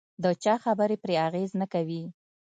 د چا خبره پرې اغېز نه کوي.